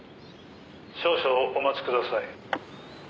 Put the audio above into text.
「少々お待ちください」